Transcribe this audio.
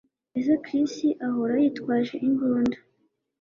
Ese Chris ahora yitwaje imbunda